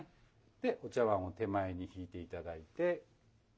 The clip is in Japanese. でお茶碗を手前に引いて頂いて。